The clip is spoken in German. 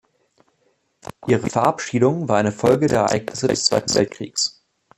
Ihre Verabschiedung war eine Folge der Ereignisse des zweiten Weltkriegs.